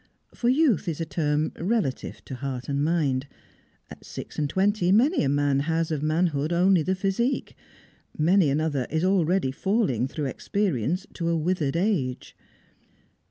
For youth is a term relative to heart and mind. At six and twenty many a man has of manhood only the physique; many another is already falling through experience to a withered age.